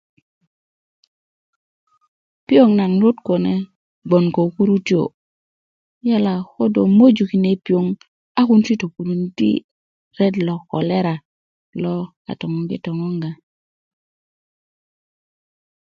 piyoŋ naŋ lüt kune gboŋ ko kurutuyó yala ko dó mojú kine piyoŋ a kunu ti topurundi ret ló kolera lo a toŋogitoŋgá